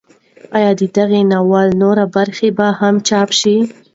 ایا د دغه ناول نورې برخې به هم چاپ شي؟